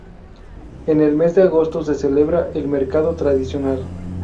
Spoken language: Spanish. En el mes de agosto se celebra el mercado tradicional.